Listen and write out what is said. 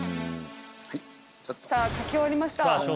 さぁ書き終わりました。